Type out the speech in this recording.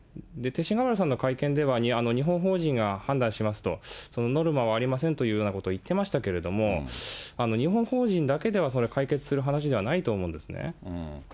勅使河原さんの会見では、日本法人が判断しますと、ノルマはありませんというようなことを言ってましたけども、日本法人だけではそれは解決する話ではないと思うんですね。